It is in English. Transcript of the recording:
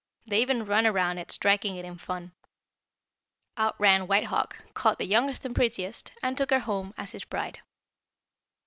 They even ran around it striking it in fun. Out ran White Hawk, caught the youngest and prettiest, and took her home as his bride.